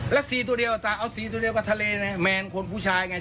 แล้ว๔ตัวเดียวตาเอาสีตัวเดียวกับทะเลไงแมนคนผู้ชายไง